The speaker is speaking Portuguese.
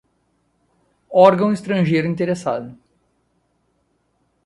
órgão estrangeiro interessado